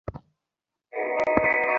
তাহলে, এটা আমার মুখে কেন?